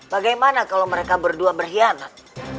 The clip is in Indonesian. bagaimana kalau mereka berdua berkhianat